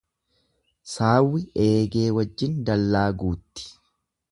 Saawwi eegee wajjin dallaa guutti.